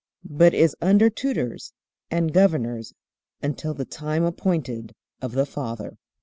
But is under tutors and governors until the time appointed of the father.